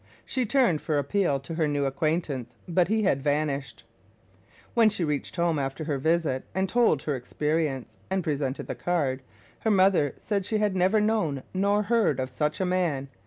She turned for appeal to her new acquaintance, but he had vanished. When she reached home after her visit, and told her experience, and presented the card, her mother said she had never known nor heard of such a man.